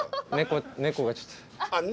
猫がちょっと。